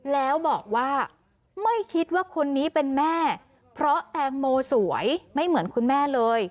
แล้วบอกว่าไม่คิดว่าคนนี้เป็นแม่เพราะแตงโมสวยไม่เหมือนคุณแม่เลย